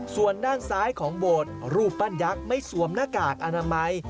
ส่วนด้านซ้ายของโบสถ์รูปปั้นยักษ์ไม่สวมหน้ากากอนามัย